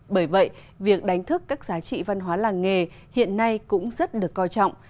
bởi vậy việc đánh thức các giá trị văn hóa làng nghề hiện nay cũng rất được coi trọng